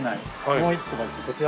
もう１個がこちらの。